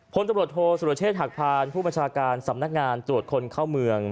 พลตำรวจโทษสุรเชษฐหักพานผู้บัญชาการสำนักงานตรวจคนเข้าเมือง